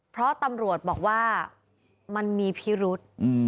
เพราะตำรวจบอกว่ามันมีพิรุษ